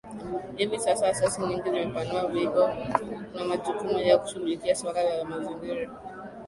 Hivi sasa asasi nyingi zimepanua wigo wa majukumu yao na kushughulikia suala la mazingira